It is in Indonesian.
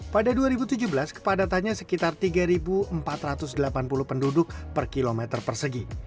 pada dua ribu tujuh belas kepadatannya sekitar tiga empat ratus delapan puluh penduduk per kilometer persegi